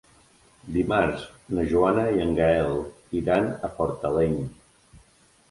Dimarts na Joana i en Gaël iran a Fortaleny.